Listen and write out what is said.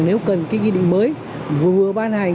nếu cần cái nghị định mới vừa ban hành